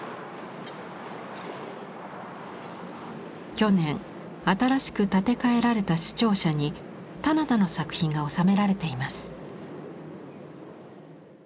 去年新しく建て替えられた市庁舎に棚田の作品がおさめられています。